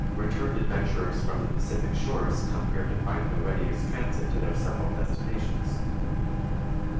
Returned adventurers from the Pacific shores come here to find the readiest transit to their several destinations.